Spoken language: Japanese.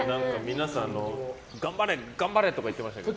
皆さん、あの頑張れ！とか言ってましたけど。